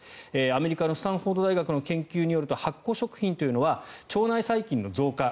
アメリカのスタンフォード大学の研究によると発酵食品というのは腸内細菌の増加